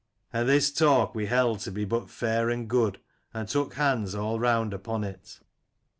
And this talk we held to be but fair and good, and took hands all round upon it.